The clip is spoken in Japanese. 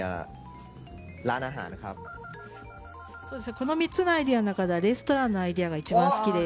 この３つのアイデアの中ではレストランのアイデアが一番好きです。